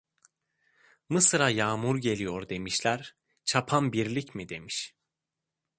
Mısıra yağmur geliyor demişler; "çapan birlik mi?" demiş.